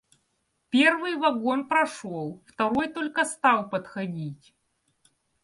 Первый вагон прошел, второй только стал подходить.